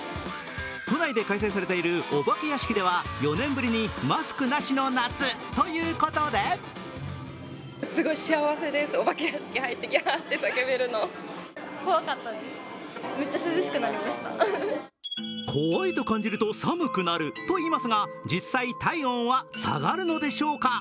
都内で開催されているお化け屋敷では４年ぶりにマスクなしの夏ということで怖いと感じると寒くなるといいますが実際、体温は下がるのでしょうか。